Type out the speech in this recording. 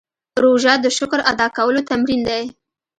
روژه د شکر ادا کولو تمرین دی.